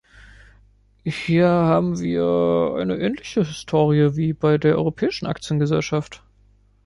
Hier haben wir eine ähnliche Historie wie bei der Europäischen Aktiengesellschaft.